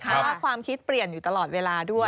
แล้วความคิดเปลี่ยนอยู่ตลอดเวลาด้วย